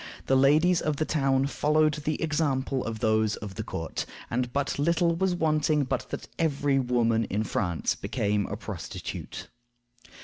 The ladies of the town followed the example of those of the court, and but little was wanting but that every woman in France became a prostitute.